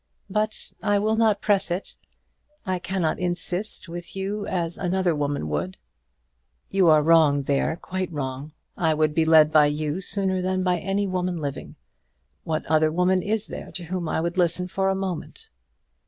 But I will not press it. I cannot insist with you as another woman would." "You are wrong there; quite wrong. I would be led by you sooner than by any woman living. What other woman is there to whom I would listen for a moment?"